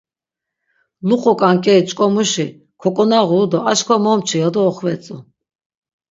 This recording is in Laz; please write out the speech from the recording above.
Luqu k̆ank̆eri ç̆k̆omuşi kok̆onağuru do arçkva momçi ya do oxvetzu.